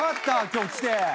今日来て。